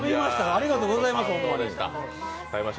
ありがとうございます、ホンマに。